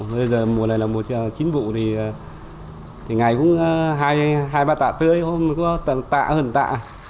bây giờ mùa này là mùa chín vụ thì ngày cũng hai ba tạ tươi hôm có tận tạ hơn tạ